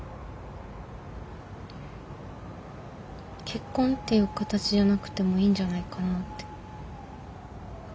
結婚っていう形じゃなくてもいいんじゃないかなって。